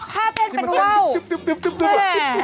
เต้นเป็นว่าว